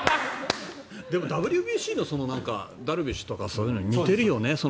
でもＷＢＣのダルビッシュとかと似てるよね。